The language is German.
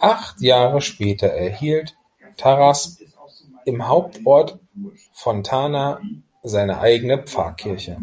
Acht Jahre später erhielt Tarasp im Hauptort Fontana seine eigene Pfarrkirche.